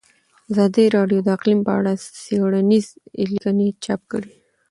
ازادي راډیو د اقلیم په اړه څېړنیزې لیکنې چاپ کړي.